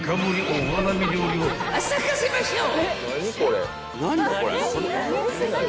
お花見料理を咲かせましょう！］